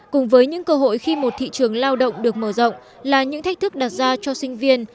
cùng với những cơ hội khi một thị trường lao động được mở rộng là những thách thức đặt ra cho sinh viên